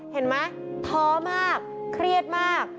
เห็นไหมท้อมากเครียดมาก